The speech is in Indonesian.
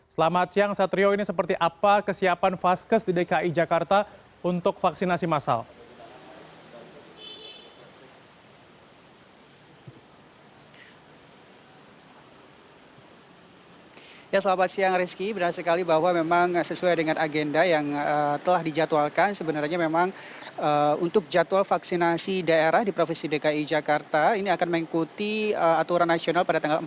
selamat siang satrio ini seperti apa kesiapan vaskes di dki jakarta untuk vaksinasi masal